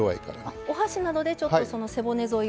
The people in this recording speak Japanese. お箸などで背骨沿いを。